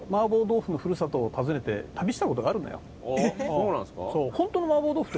そうなんですか？